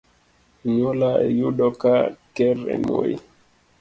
Onyuola ayudo ka ker en Moi.